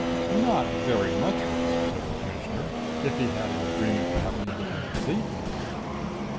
"Not very much risk," said the Commissioner, "if he had an agreement to have an Independent Fleet meet him."